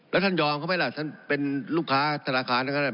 แล้วท่านยอมเขาไหมล่ะท่านเป็นลูกค้าธนาคารนะครับ